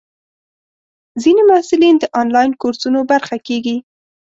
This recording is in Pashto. ځینې محصلین د انلاین کورسونو برخه کېږي.